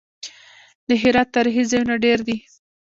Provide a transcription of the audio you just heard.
د هرات تاریخي ځایونه ډیر دي